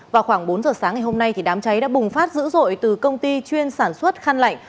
vào khoảng bốn giờ sáng ngày hôm nay đám cháy đã bùng phát dữ dội từ công ty chuyên sản xuất khăn lạnh